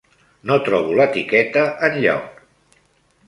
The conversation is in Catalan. No trobo l'etiqueta enlloc.